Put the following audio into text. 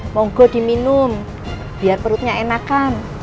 monggo diminum biar perutnya enakan